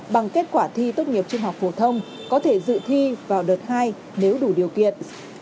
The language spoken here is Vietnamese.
bằng kết quả thi tốt nghiệp trung học phổ thông có thể dự thi vào đợt hai nếu đủ điều kiện